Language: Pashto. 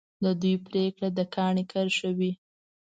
د دوی پرېکړه د کاڼي کرښه وي.